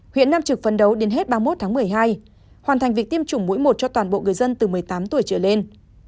huyện nam trực phấn đấu đến hết ba mươi một tháng một mươi hai hoàn thành việc tiêm chủng mũi một cho toàn bộ người dân từ một mươi tám tuổi trở lên